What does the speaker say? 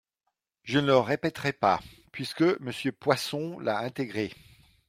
Je ne le répéterai pas, puisque Monsieur Poisson l’a intégré.